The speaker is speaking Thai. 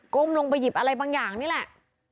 ลงไปหยิบอะไรบางอย่างนี่แหละ